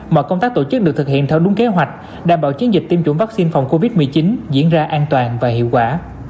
mọi công tác tổ chức được thực hiện theo đúng kế hoạch đảm bảo chiến dịch tiêm chủng vaccine phòng covid một mươi chín diễn ra an toàn và hiệu quả